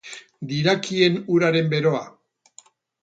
Dirakien uraren beroa.